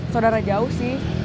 sodara jauh sih